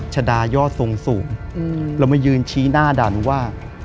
ชะดายอดทรงสูงแล้วมันยืนชี้หน้าด่านว่า